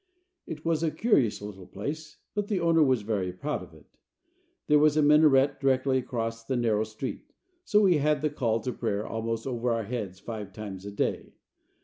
It was a curious little place but the owner was very proud of it. There was a minaret directly across the narrow street, so we had the call to prayer almost over our heads five times a day.